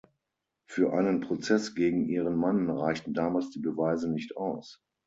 Für einen Prozess gegen ihren Mann reichten damals die Beweise nicht aus.